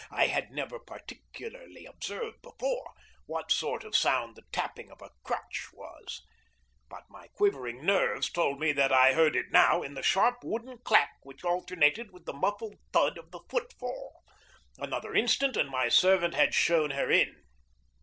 I had never particularly observed before what sort of sound the tapping of a crutch was, but my quivering nerves told me that I heard it now in the sharp wooden clack which alternated with the muffled thud of the foot fall. Another instant and my servant had shown her in.